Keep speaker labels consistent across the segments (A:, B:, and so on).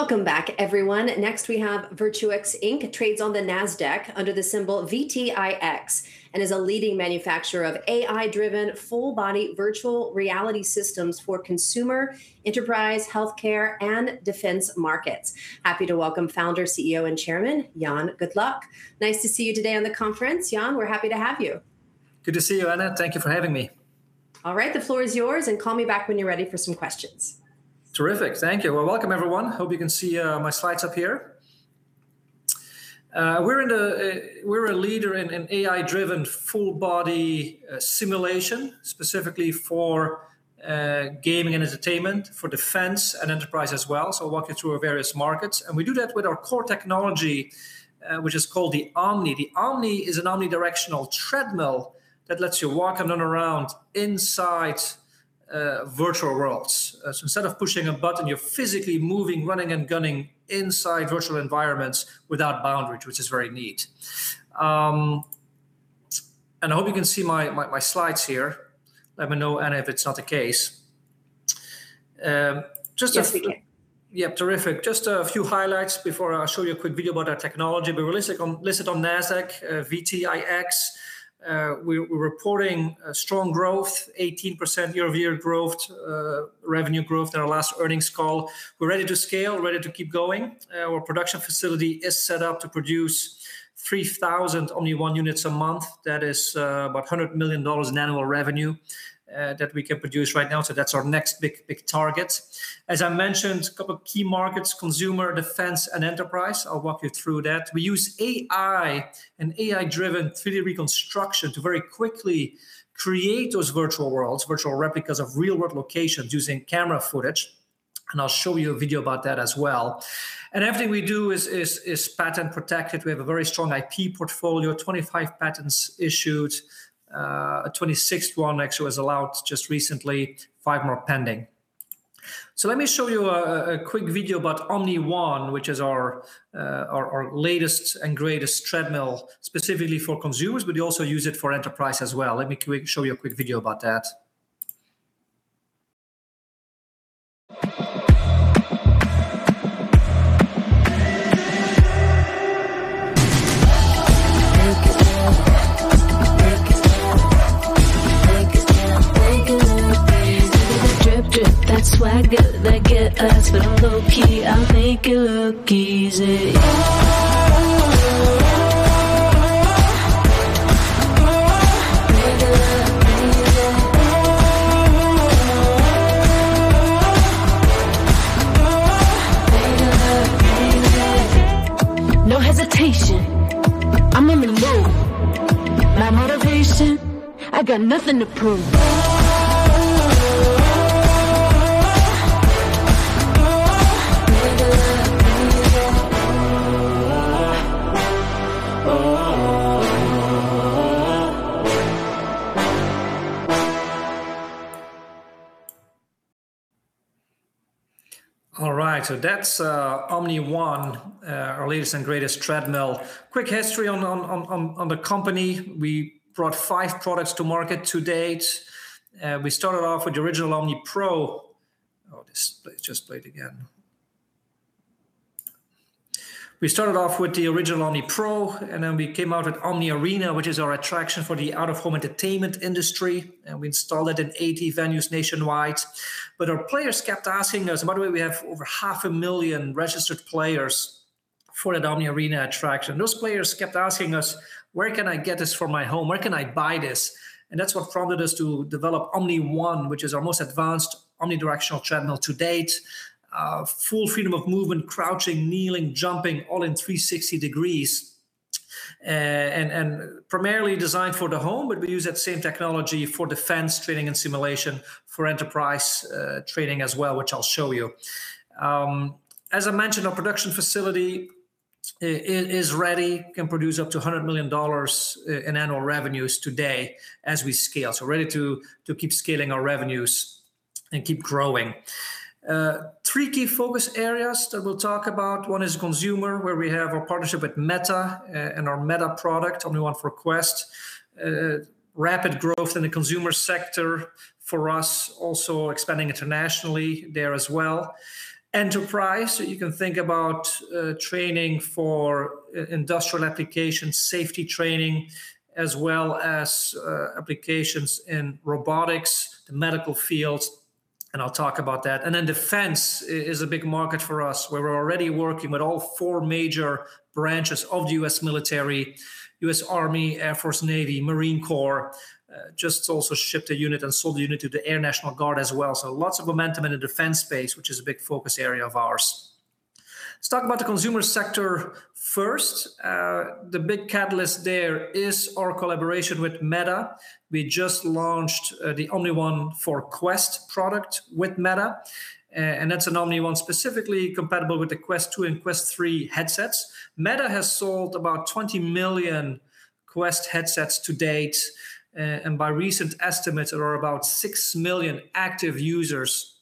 A: Welcome back, everyone. Next, we have Virtuix Inc. Trades on the Nasdaq under the symbol VTIX, and is a leading manufacturer of AI-driven full-body virtual reality systems for consumer, enterprise, healthcare, and defense markets. Happy to welcome Founder, CEO, and Chairman, Jan Goetgeluk. Nice to see you today on the conference Jan. We're happy to have you.
B: Good to see you, Anna. Thank you for having me.
A: All right. The floor is yours, and call me back when you're ready for some questions.
B: Terrific. Thank you. Well, welcome everyone. Hope you can see my slides up here. We're a leader in AI-driven full-body simulation, specifically for gaming and entertainment, for defense and enterprise as well. I'll walk you through our various markets. We do that with our core technology, which is called the Omni. The Omni is an omnidirectional treadmill that lets you walk and run around inside virtual worlds. Instead of pushing a button, you're physically moving, running, and gunning inside virtual environments without boundaries, which is very neat. I hope you can see my slides here. Let me know, Anna, if it's not the case.
A: Yes, we can.
B: Terrific. Just a few highlights before I show you a quick video about our technology. We're listed on Nasdaq, VTIX. We're reporting strong growth, 18% year-over-year revenue growth in our last earnings call. We're ready to scale, ready to keep going. Our production facility is set up to produce 3,000 Omni One units a month. That is about $100 million in annual revenue that we can produce right now. That's our next big target. As I mentioned, a couple of key markets, consumer, defense, and enterprise. I'll walk you through that. We use AI and AI-driven 3D reconstruction to very quickly create those virtual worlds, virtual replicas of real-world locations using camera footage, and I'll show you a video about that as well. Everything we do is patent protected. We have a very strong IP portfolio, 25 patents issued, a 26th one actually was allowed just recently, five more pending. Let me show you a quick video about Omni One, which is our latest and greatest treadmill specifically for consumers, but you also use it for enterprise as well. Let me show you a quick video about that.
C: Make it look. Make it look. Make it look. Make it look easy. Drip, drip, that swagger. They get us, but I'm low-key. I make it look easy. Oh, oh. Oh, make it look easy. Oh, oh. Oh, make it look easy. No hesitation. I'm on the move. My motivation, I got nothing to prove. Oh, oh. Oh, make it look easy. Oh, oh.
B: All right. That's Omni One, our latest and greatest treadmill. Quick history on the company. We brought five products to market to-date. We started off with the original Omni Pro. Oh, this just played again. We started off with the original Omni Pro, then we came out with Omni Arena, which is our attraction for the out-of-home entertainment industry, we installed it in 80 venues nationwide. Our players kept asking us. By the way, we have over 500,000 registered players for the Omni Arena attraction. Those players kept asking us, where can I get this for my home? Where can I buy this? That's what prompted us to develop Omni One, which is our most advanced omnidirectional treadmill to-date. Full freedom of movement, crouching, kneeling, jumping, all in 360 degrees. Primarily designed for the home, we use that same technology for defense training and simulation for enterprise training as well, which I'll show you. As I mentioned, our production facility is ready, can produce up to $100 million in annual revenues today as we scale. Ready to keep scaling our revenues and keep growing. Three key focus areas that we'll talk about. One is consumer, where we have our partnership with Meta and our Meta product, Omni One for Quest. Rapid growth in the consumer sector for us, also expanding internationally there as well. Enterprise. You can think about training for industrial applications, safety training, as well as applications in robotics, the medical field, I'll talk about that. Defense is a big market for us. We're already working with all four major branches of the U.S. military, U.S. Army, Air Force, Navy, Marine Corps. Just also shipped a unit and sold a unit to the Air National Guard as well. Lots of momentum in the defense space, which is a big focus area of ours. Let's talk about the consumer sector first. The big catalyst there is our collaboration with Meta. We just launched the Omni One for Quest product with Meta, that's an Omni One specifically compatible with the Quest 2 and Quest 3 headsets. Meta has sold about 20 million Quest headsets to-date, by recent estimates, there are about 6 million active users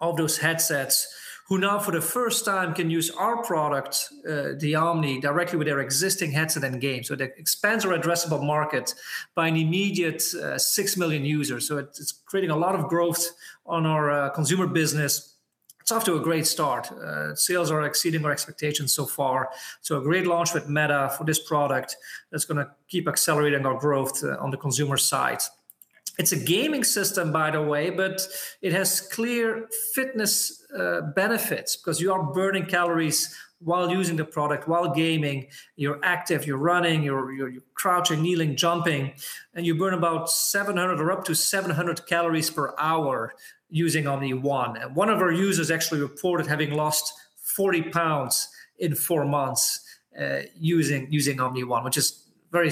B: of those headsets who now, for the first time, can use our product, the Omni, directly with their existing headset and game. That expands our addressable market by an immediate 6 million users. It's creating a lot of growth on our consumer business. It's off to a great start. Sales are exceeding our expectations so far. A great launch with Meta for this product that's going to keep accelerating our growth on the consumer side. It's a gaming system, by the way, it has clear fitness benefits because you are burning calories while using the product, while gaming. You're active, you're running, you're crouching, kneeling, jumping, you burn about 700 or up to 700 calories per hour using Omni One. One of our users actually reported having lost 40 lbs in four months using Omni One, which is very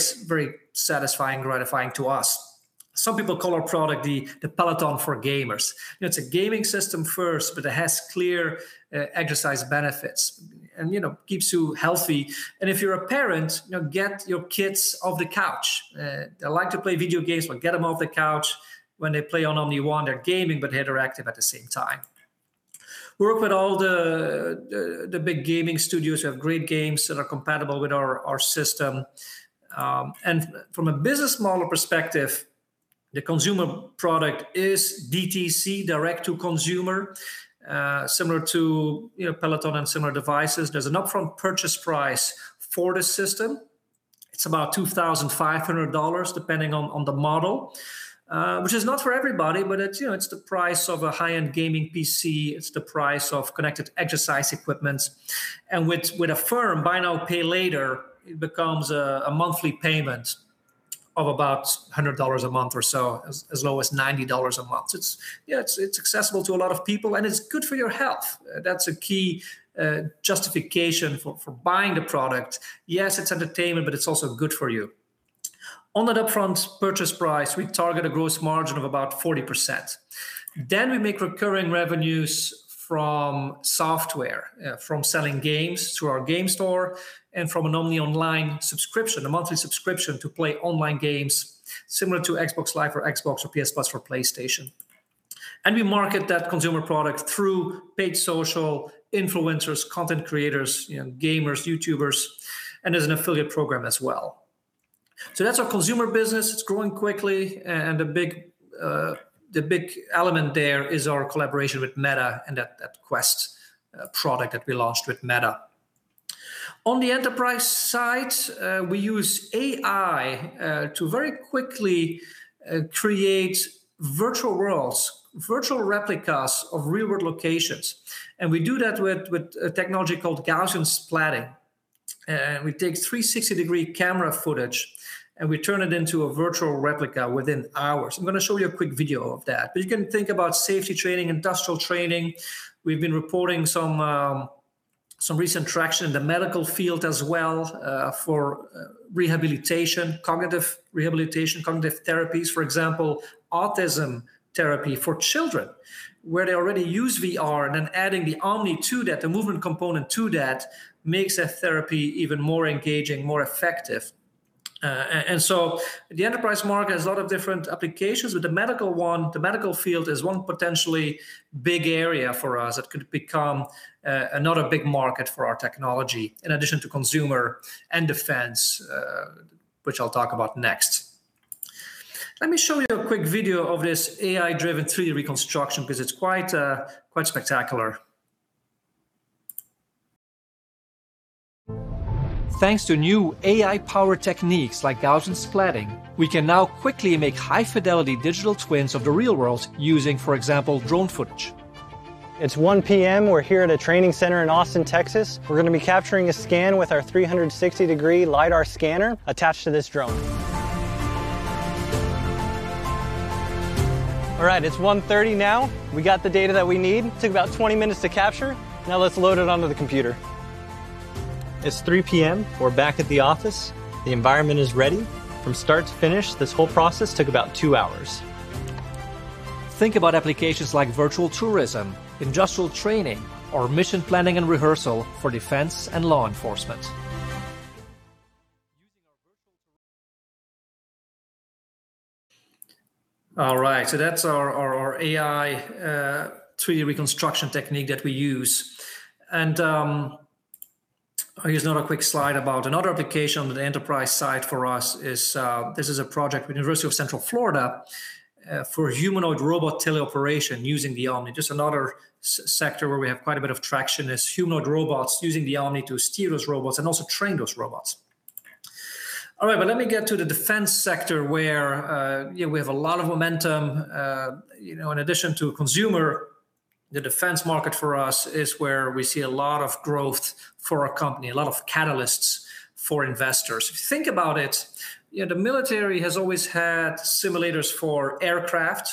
B: satisfying, gratifying to us. Some people call our product the Peloton for gamers. It's a gaming system first, it has clear exercise benefits and keeps you healthy. If you're a parent, get your kids off the couch. They like to play video games, but get them off the couch. When they play on Omni One, they're gaming, but they're active at the same time. We work with all the big gaming studios who have great games that are compatible with our system. From a business model perspective, the consumer product is DTC, direct-to-consumer, similar to Peloton and similar devices. There's an upfront purchase price for the system. It's about $2,500, depending on the model, which is not for everybody, but it's the price of a high-end gaming PC, it's the price of connected exercise equipment. With Affirm, Buy Now, Pay Later, it becomes a monthly payment of about $100 a month or so, as low as $90 a month. It's accessible to a lot of people, and it's good for your health. That's a key justification for buying the product. Yes, it's entertainment, but it's also good for you. On that upfront purchase price, we target a gross margin of about 40%. We make recurring revenues from software, from selling games through our game store, and from an Omni online subscription, a monthly subscription to play online games similar to Xbox Live for Xbox or PS Plus for PlayStation. We market that consumer product through paid social influencers, content creators, gamers, YouTubers, and as an affiliate program as well. That's our consumer business. It's growing quickly, and the big element there is our collaboration with Meta and that Quest product that we launched with Meta. On the enterprise side, we use AI to very quickly create virtual worlds, virtual replicas of real-world locations. We do that with a technology called Gaussian splatting. We take 360-degree camera footage, and we turn it into a virtual replica within hours. I'm going to show you a quick video of that. You can think about safety training, industrial training. We've been reporting some recent traction in the medical field as well for rehabilitation, cognitive rehabilitation, cognitive therapies. For example, autism therapy for children, where they already use VR and then adding the Omni to that, the movement component to that, makes that therapy even more engaging, more effective. The enterprise market has a lot of different applications. With the medical one, the medical field is one potentially big area for us that could become another big market for our technology, in addition to consumer and defense, which I'll talk about next. Let me show you a quick video of this AI-driven 3D reconstruction because it's quite spectacular.
C: Thanks to new AI power techniques like Gaussian splatting, we can now quickly make high-fidelity digital twins of the real world using, for example, drone footage. It's 1:00 P.M. We're here at a training center in Austin, Texas. We're going to be capturing a scan with our 360-degree LIDAR scanner attached to this drone. All right. It's 1:30 P.M. now. We got the data that we need. Took about 20 minutes to capture. Now let's load it onto the computer. It's 3:00 P.M. We're back at the office. The environment is ready. From start to finish, this whole process took about two hours.
B: Think about applications like virtual tourism, industrial training, or mission planning and rehearsal for defense and law enforcement. That's our AI-3D reconstruction technique that we use. Here's another quick slide about another application on the enterprise side for us. This is a project with University of Central Florida for humanoid robot teleoperation using the Omni. Just another sector where we have quite a bit of traction is humanoid robots, using the Omni to steer those robots and also train those robots. Let me get to the defense sector, where we have a lot of momentum. In addition to consumer, the defense market for us is where we see a lot of growth for our company, a lot of catalysts for investors. If you think about it, the military has always had simulators for aircraft.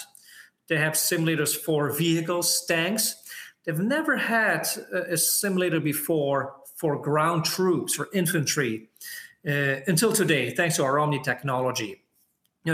B: They have simulators for vehicles, tanks. They've never had a simulator before for ground troops or infantry, until today, thanks to our Omni technology.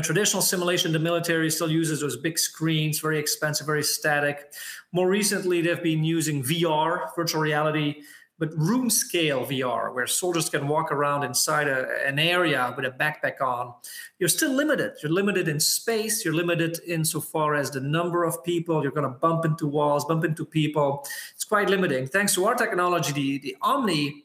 B: Traditional simulation, the military still uses those big screens, very expensive, very static. More recently, they've been using VR, virtual reality, but room-scale VR, where soldiers can walk around inside an area with a backpack on. You're still limited. You're limited in space. You're limited insofar as the number of people. You're going to bump into walls, bump into people. It's quite limiting. Thanks to our technology, the Omni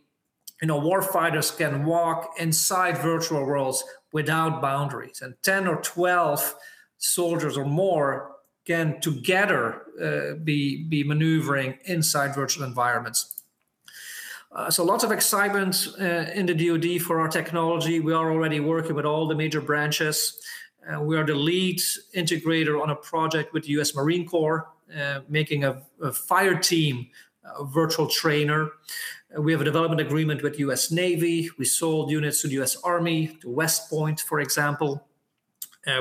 B: Warfighters can walk inside virtual worlds without boundaries, and 10 or 12 soldiers or more can together be maneuvering inside virtual environments. Lots of excitement in the DoD for our technology. We are already working with all the major branches. We are the lead integrator on a project with U.S. Marine Corps, making a fire team virtual trainer. We have a development agreement with U.S. Navy. We sold units to the U.S. Army, to West Point, for example.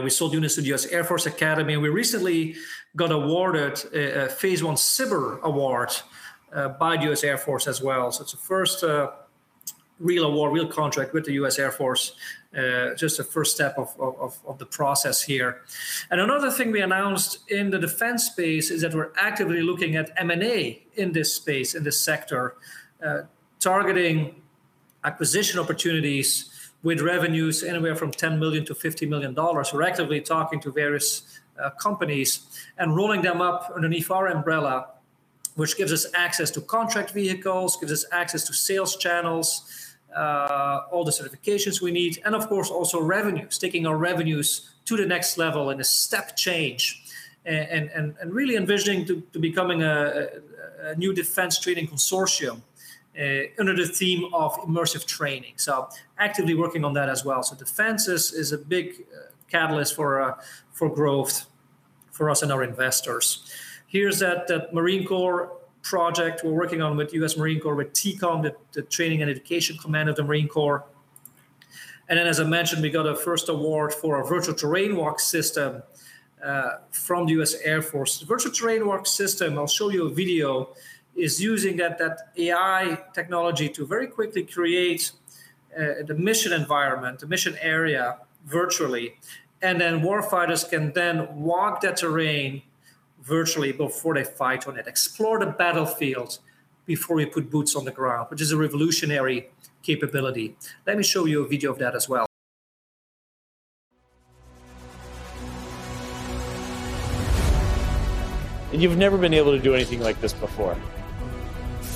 B: We sold units to the U.S. Air Force Academy, and we recently got awarded a Phase I SBIR award by the U.S. Air Force as well. It's the first real award, real contract with the U.S. Air Force, just a first step of the process here. Another thing we announced in the defense space is that we're actively looking at M&A in this space, in this sector, targeting acquisition opportunities with revenues anywhere from $10 million-$50 million. We're actively talking to various companies and rolling them up underneath our umbrella, which gives us access to contract vehicles, gives us access to sales channels, all the certifications we need, and of course, also revenue. Taking our revenues to the next level in a step change, and really envisioning to becoming a new defense training consortium under the theme of immersive training. Actively working on that as well. Defense is a big catalyst for growth for us and our investors. Here's that Marine Corps project we're working on with U.S. Marine Corps, with TECOM, the Training and Education Command of the Marine Corps. As I mentioned, we got a first award for our Virtual Terrain Walk system from the U.S. Air Force. The Virtual Terrain Walk system, I'll show you a video, is using that AI technology to very quickly create the mission environment, the mission area virtually, and then warfighters can then walk that terrain virtually before they fight on it. Explore the battlefield before we put boots on the ground, which is a revolutionary capability. Let me show you a video of that as well.
C: You've never been able to do anything like this before.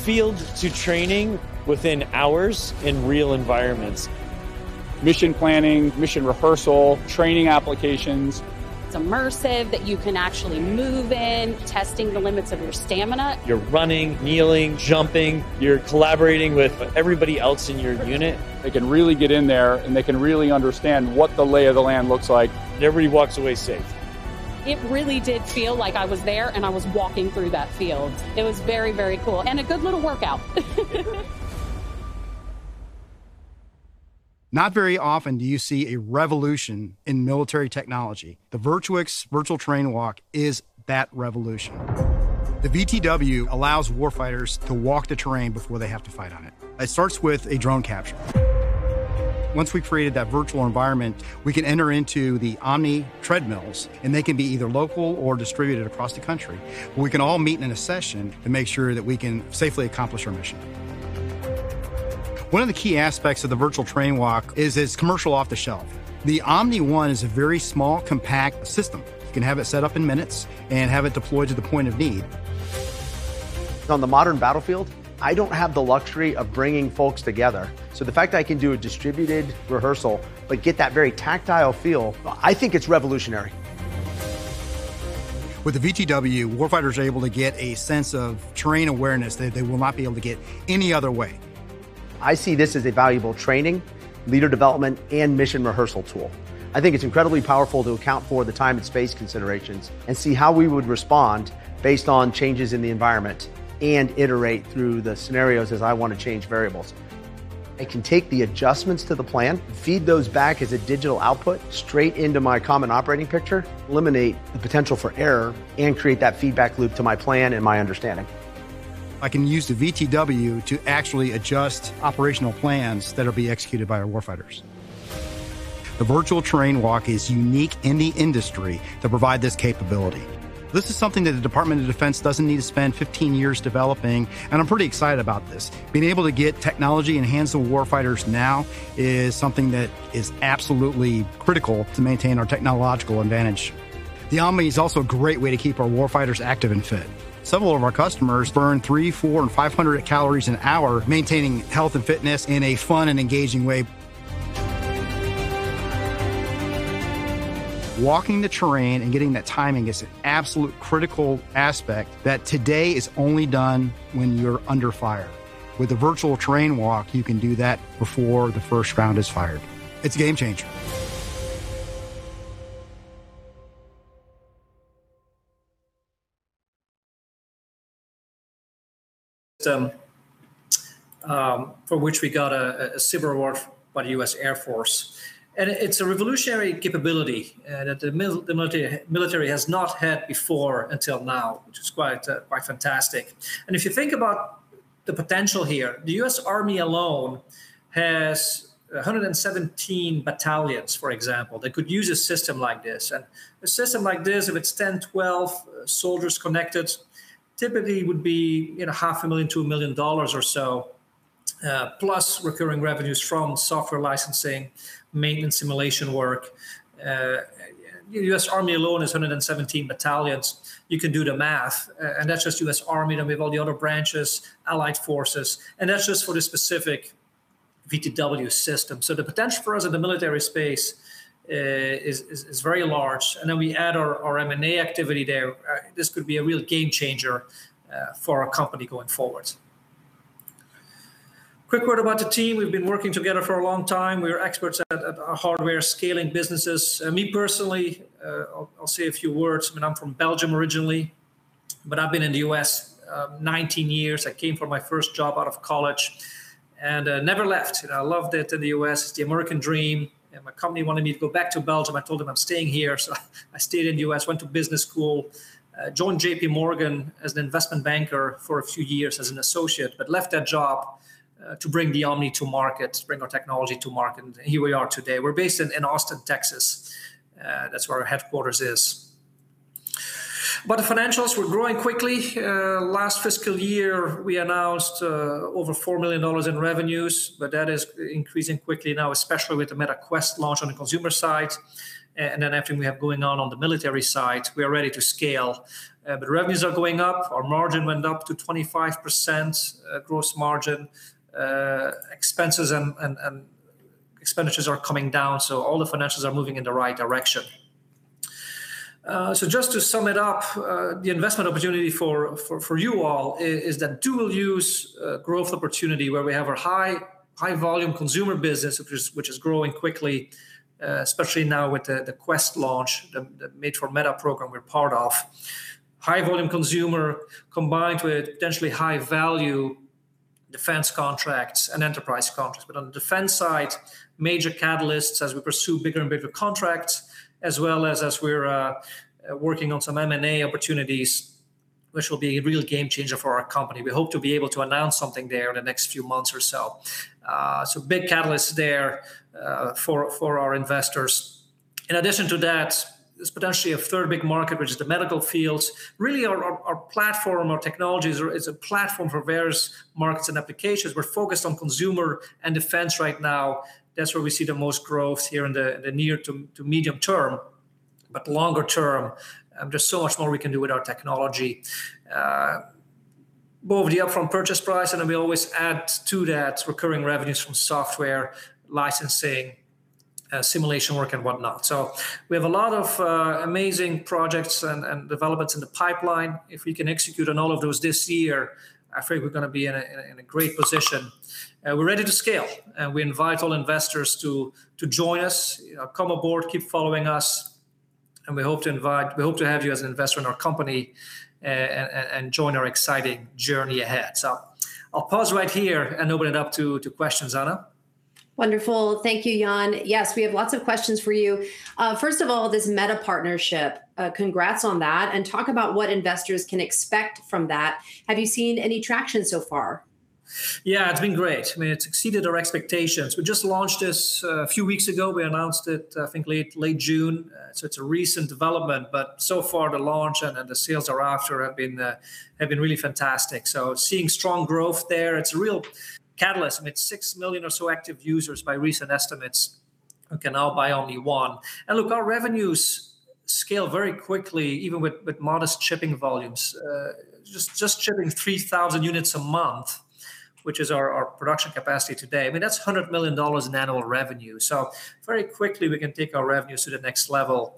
C: Field to training within hours in real environments. Mission planning, mission rehearsal, training applications. It's immersive, that you can actually move in, testing the limits of your stamina. You're running, kneeling, jumping. You're collaborating with everybody else in your unit. They can really get in there, and they can really understand what the lay of the land looks like. Everybody walks away safe. It really did feel like I was there, and I was walking through that field. It was very, very cool, and a good little workout. Not very often do you see a revolution in military technology. The Virtuix Virtual Terrain Walk is that revolution. The VTW allows warfighters to walk the terrain before they have to fight on it. It starts with a drone capture. Once we've created that virtual environment, we can enter into the Omni treadmills, and they can be either local or distributed across the country, where we can all meet in a session and make sure that we can safely accomplish our mission. One of the key aspects of the Virtual Terrain Walk is it's commercial off-the-shelf. The Omni One is a very small, compact system. You can have it set up in minutes and have it deployed to the point of need. On the modern battlefield, I don't have the luxury of bringing folks together. The fact I can do a distributed rehearsal, but get that very tactile feel, I think it's revolutionary. With the VTW, warfighters are able to get a sense of terrain awareness that they will not be able to get any other way. I see this as a valuable training, leader development, and mission rehearsal tool. I think it's incredibly powerful to account for the time and space considerations and see how we would respond based on changes in the environment and iterate through the scenarios as I want to change variables. I can take the adjustments to the plan, feed those back as a digital output straight into my common operating picture, eliminate the potential for error, and create that feedback loop to my plan and my understanding. I can use the VTW to actually adjust operational plans that'll be executed by our warfighters. The Virtual Terrain Walk is unique in the industry to provide this capability. This is something that the Department of Defense doesn't need to spend 15 years developing, and I'm pretty excited about this. Being able to get technology in the hands of warfighters now is something that is absolutely critical to maintain our technological advantage. The Omni is also a great way to keep our warfighters active and fit. Several of our customers burn 300, 400, and 500 calories an hour maintaining health and fitness in a fun and engaging way. Walking the terrain and getting that timing is an absolute critical aspect that today is only done when you're under fire. With the Virtual Terrain Walk, you can do that before the first round is fired. It's a game changer.
B: For which we got a SBIR award by the U.S. Air Force, it's a revolutionary capability that the military has not had before until now, which is quite fantastic. If you think about the potential here, the U.S. Army alone has 117 battalions, for example. They could use a system like this, and a system like this, if it's 10-12 soldiers connected, typically would be $500,000-$1 million or so, plus recurring revenues from software licensing, maintenance simulation work. The U.S. Army alone is 117 battalions. You can do the math. That's just U.S. Army, then we have all the other branches, allied forces. That's just for the specific VTW system. The potential for us in the military space is very large. Then we add our M&A activity there. This could be a real game changer for our company going forward. Quick word about the team. We've been working together for a long time. We're experts at hardware scaling businesses. Me personally, I'll say a few words. I'm from Belgium originally, but I've been in the U.S. 19 years. I came for my first job out of college and never left. I loved it in the U.S., the American dream, and my company wanted me to go back to Belgium. I told them I'm staying here, I stayed in the U.S., went to business school, joined JPMorgan as an Investment Banker for a few years as an associate, but left that job to bring the Omni to market, to bring our technology to market. Here we are today. We're based in Austin, Texas. That's where our headquarters is. About the financials, we're growing quickly. Last fiscal year, we announced over $4 million in revenues, that is increasing quickly now, especially with the Meta Quest launch on the consumer side. Then everything we have going on on the military side, we are ready to scale. Revenues are going up. Our margin went up to 25% gross margin. Expenses and expenditures are coming down. All the financials are moving in the right direction. Just to sum it up, the investment opportunity for you all is that dual use growth opportunity where we have our high volume consumer business, which is growing quickly, especially now with the Quest launch, the Made for Meta program we're part of. High volume consumer combined with potentially high-value defense contracts and enterprise contracts. On the defense side, major catalysts as we pursue bigger and bigger contracts, as well as we're working on some M&A opportunities, which will be a real game changer for our company. We hope to be able to announce something there in the next few months or so. Big catalysts there for our investors. In addition to that, there's potentially a third big market, which is the medical field. Our platform, our technology, is a platform for various markets and applications. We're focused on consumer and defense right now. That's where we see the most growth here in the near- to medium-term. Longer term, there's so much more we can do with our technology. Both the upfront purchase price, and then we always add to that recurring revenues from software licensing, simulation work, and whatnot. We have a lot of amazing projects and developments in the pipeline. If we can execute on all of those this year, I figure we're going to be in a great position. We're ready to scale, and we invite all investors to join us, come aboard, keep following us, and we hope to have you as an investor in our company, and join our exciting journey ahead. I'll pause right here and open it up to questions, Anna.
A: Wonderful. Thank you, Jan. Yes, we have lots of questions for you. First of all, this Meta partnership, congrats on that, and talk about what investors can expect from that. Have you seen any traction so far?
B: It's been great. It's exceeded our expectations. We just launched this a few weeks ago. We announced it, I think, late June. It's a recent development, but so far the launch and the sales thereafter have been really fantastic. Seeing strong growth there. It's a real catalyst. 6 million or so active users by recent estimates who can now buy Omni One. Look, our revenues scale very quickly, even with modest shipping volumes. Just shipping 3,000 units a month, which is our production capacity today, that's $100 million in annual revenue. Very quickly we can take our revenues to the next level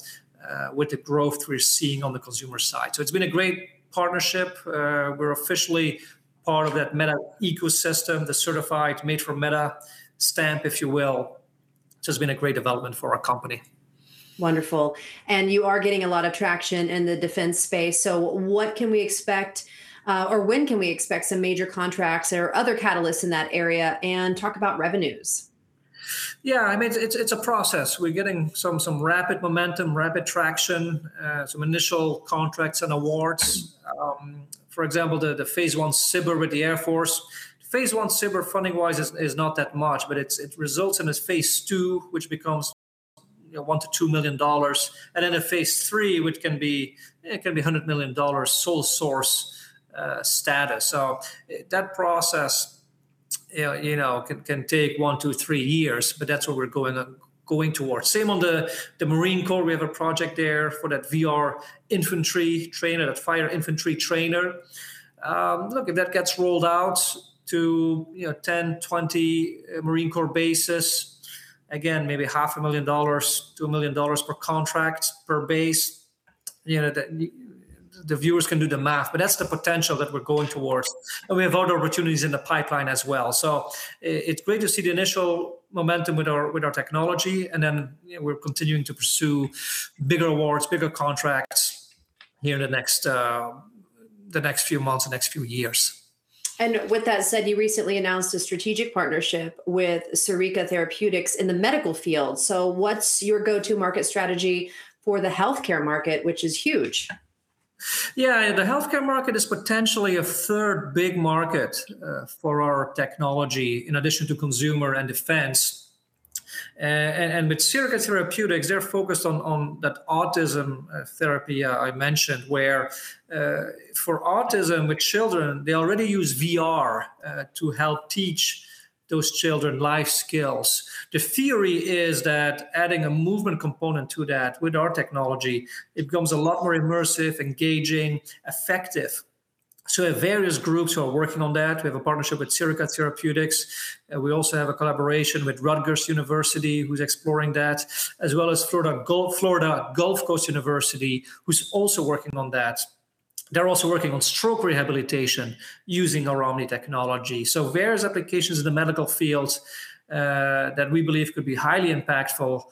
B: with the growth we're seeing on the consumer side. It's been a great partnership. We're officially part of that Meta ecosystem, the certified Made for Meta stamp, if you will. It's been a great development for our company.
A: Wonderful. You are getting a lot of traction in the defense space, so what can we expect, or when can we expect some major contracts or other catalysts in that area? Talk about revenues.
B: Yeah. It's a process. We're getting some rapid momentum, rapid traction, some initial contracts and awards. For example, the Phase 1 SBIR with the Air Force. Phase 1 SBIR funding-wise is not that much, but it results in a Phase 2, which becomes $1 million-$2 million, and then a Phase 3, which can be $100 million sole source status. That process can take one, two, three years, but that's what we're going towards. Same on the Marine Corps. We have a project there for that VR infantry trainer, that fire infantry trainer. Look, if that gets rolled out to 10-20 Marine Corps bases, again, maybe $500,000-$2 million per contract per base. The viewers can do the math, but that's the potential that we're going towards. We have other opportunities in the pipeline as well. It's great to see the initial momentum with our technology, we're continuing to pursue bigger awards, bigger contracts here in the next few months, the next few years.
A: With that said, you recently announced a strategic partnership with Sirica Therapeutics in the medical field. What's your go-to market strategy for the healthcare market, which is huge?
B: The healthcare market is potentially a third big market for our technology, in addition to consumer and defense. With Sirica Therapeutics, they're focused on that autism therapy I mentioned, where for autism with children, they already use VR to help teach those children life skills. The theory is that adding a movement component to that with our technology, it becomes a lot more immersive, engaging, effective. We have various groups who are working on that. We have a partnership with Sirica Therapeutics. We also have a collaboration with Rutgers University, who's exploring that, as well as Florida Gulf Coast University, who's also working on that. They're also working on stroke rehabilitation using our Omni technology. Various applications in the medical field that we believe could be highly impactful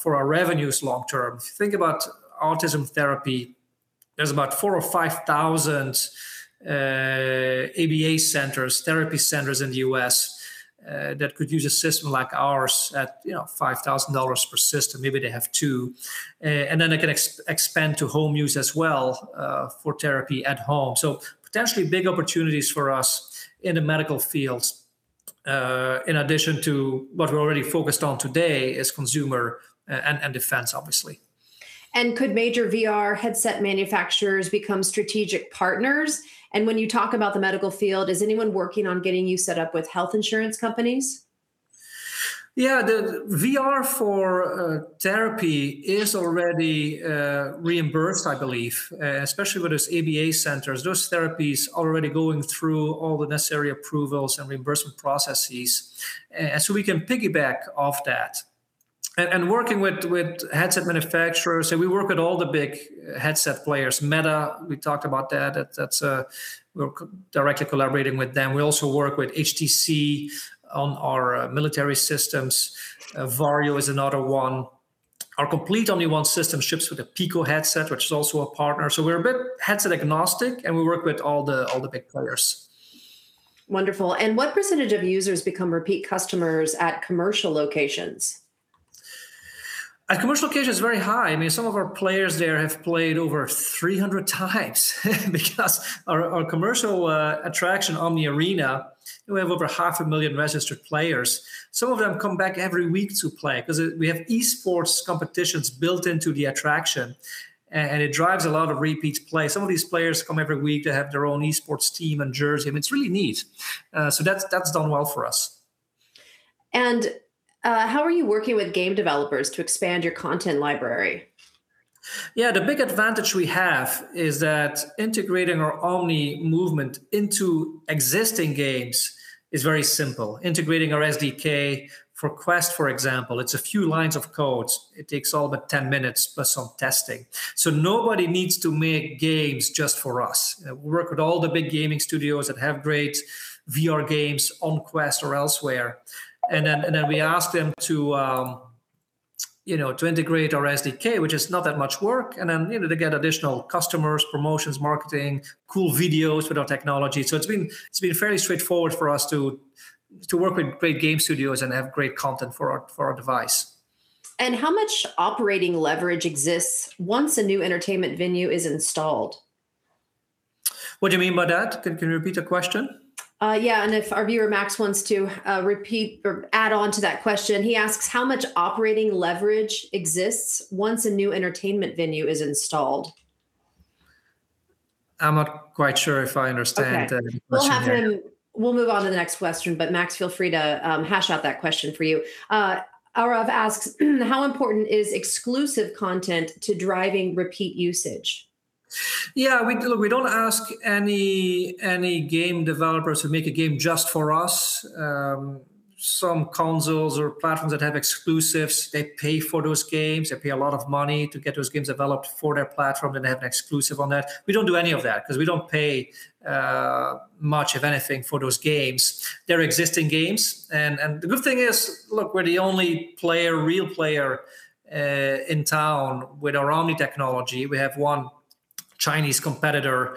B: for our revenues long term. If you think about autism therapy, there's about 4,000 or 5,000 ABA centers, therapy centers in the U.S., that could use a system like ours at $5,000 per system. Maybe they have two. Then they can expand to home use as well for therapy at home. Potentially big opportunities for us in the medical field, in addition to what we're already focused on today is consumer and defense, obviously.
A: Could major VR headset manufacturers become strategic partners? When you talk about the medical field, is anyone working on getting you set up with health insurance companies?
B: The VR for therapy is already reimbursed, I believe, especially with those ABA centers. Those therapies are already going through all the necessary approvals and reimbursement processes. We can piggyback off that. Working with headset manufacturers, we work with all the big headset players. Meta, we talked about that. We're directly collaborating with them. We also work with HTC on our military systems. Varjo is another one. Our complete Omni One system ships with a PICO headset, which is also a partner. We're a bit headset agnostic, and we work with all the big players.
A: Wonderful. What percentage of users become repeat customers at commercial locations?
B: At commercial locations, very high. Some of our players there have played over 300 times because our commercial attraction Omni Arena, we have over 500,000 registered players. Some of them come back every week to play because we have e-sports competitions built into the attraction, it drives a lot of repeat play. Some of these players come every week. They have their own e-sports team and jersey, and it's really neat. That's done well for us.
A: How are you working with game developers to expand your content library?
B: Yeah. The big advantage we have is that integrating our Omni movement into existing games is very simple. Integrating our SDK for Quest, for example, it's a few lines of codes. It takes all but 10 minutes plus some testing. Nobody needs to make games just for us. We work with all the big gaming studios that have great VR games on Quest or elsewhere. Then we ask them to integrate our SDK, which is not that much work, and then they get additional customers, promotions, marketing, cool videos with our technology. It's been fairly straightforward for us to work with great game studios and have great content for our device.
A: How much operating leverage exists once a new entertainment venue is installed?
B: What do you mean by that? Can you repeat the question?
A: Yeah. If our viewer, Max, wants to repeat or add on to that question, he asks how much operating leverage exists once a new entertainment venue is installed.
B: I'm not quite sure if I understand the question there.
A: Okay. We'll move on to the next question. Max, feel free to hash out that question for you. Aarav asks, how important is exclusive content to driving repeat usage?
B: Yeah. Look, we don't ask any game developers to make a game just for us. Some consoles or platforms that have exclusives, they pay for those games. They pay a lot of money to get those games developed for their platform, then they have an exclusive on that. We don't do any of that because we don't pay much of anything for those games. They're existing games. The good thing is, look, we're the only real player in town with our Omni technology. We have one Chinese competitor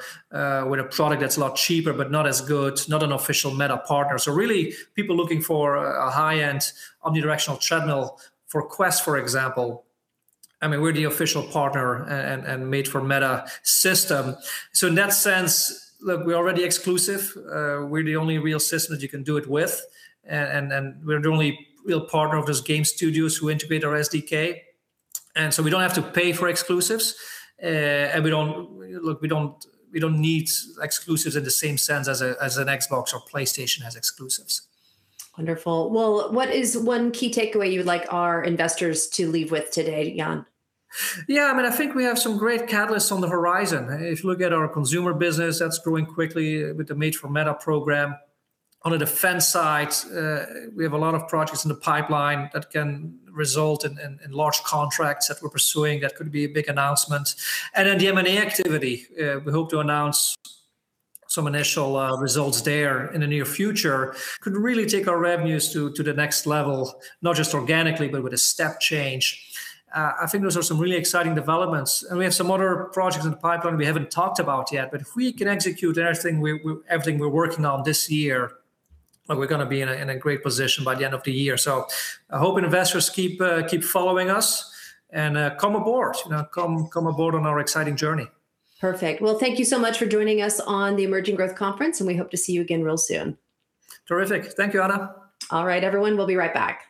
B: with a product that's a lot cheaper but not as good, not an official Meta partner. Really, people looking for a high-end omnidirectional treadmill for Quest, for example, we're the official partner and Made for Meta system. In that sense, look, we're already exclusive. We're the only real system that you can do it with, and we're the only real partner of those game studios who integrate our SDK. We don't have to pay for exclusives. Look, we don't need exclusives in the same sense as an Xbox or PlayStation has exclusives.
A: Wonderful. Well, what is one key takeaway you would like our investors to leave with today, Jan?
B: Yeah. I think we have some great catalysts on the horizon. If you look at our consumer business, that's growing quickly with the Made for Meta program. On the defense side, we have a lot of projects in the pipeline that can result in large contracts that we're pursuing. That could be a big announcement. The M&A activity, we hope to announce some initial results there in the near future, could really take our revenues to the next level, not just organically, but with a step change. I think those are some really exciting developments. We have some other projects in the pipeline we haven't talked about yet. If we can execute everything we're working on this year, we're going to be in a great position by the end of the year. I hope investors keep following us and come aboard on our exciting journey.
A: Perfect. Well, thank you so much for joining us on the Emerging Growth Conference. We hope to see you again real soon.
B: Terrific. Thank you, Anna.
A: All right, everyone. We'll be right back